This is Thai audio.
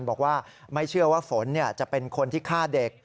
บอกว่าไม่เชื่อว่าฝนจะเป็นคนที่ฆ่าเด็ก